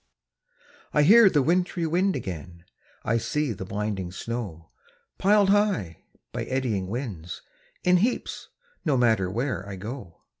I hear the wintry wind again, I see the blinding snow, Pil'd high, by eddying winds, in heaps, No matter where I go.